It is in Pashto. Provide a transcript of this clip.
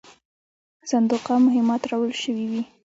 صندوقه مهمات راوړل سوي وې.